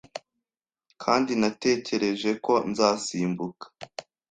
Kandi natekereje ko nzasimbuka.